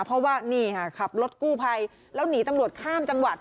เพราะว่านี่ค่ะขับรถกู้ภัยแล้วหนีตำรวจข้ามจังหวัด